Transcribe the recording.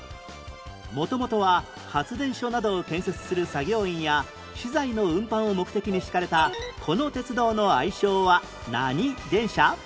元々は発電所などを建設する作業員や資材の運搬を目的に敷かれたこの鉄道の愛称は何電車？